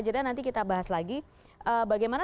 jeda nanti kita bahas lagi bagaimana